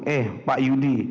eh pak yudi